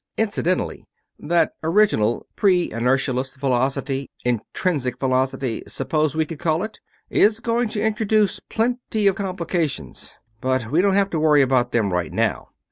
Incidentally, that original, pre inertialess velocity 'intrinsic' velocity, suppose we could call it? is going to introduce plenty of complications, but we don't have to worry about them right now.